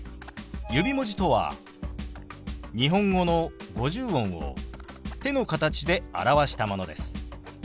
指文字とは日本語の五十音を手の形で表したものです。